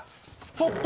ちょっと！